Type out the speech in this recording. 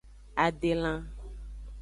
Adelan.